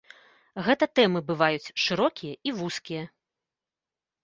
Гэта тэмы бываюць шырокія і вузкія.